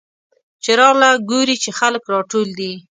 چې راغله ګوري چې خلک راټول دي.